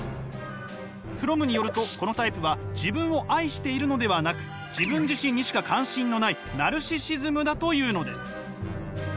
フロムによるとこのタイプは自分を愛しているのではなく自分自身にしか関心のないナルシシズムだというのです。